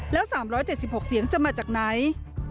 แล้ว๓๗๖เสียงจะมาจากไหน